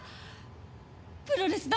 プロレス魂